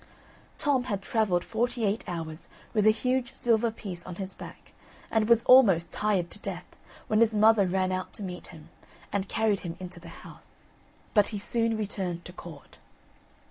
Tom had travelled forty eight hours with a huge silver piece on his back, and was almost tired to death, when his mother ran out to meet him, and carried him into the house. But he soon returned to Court.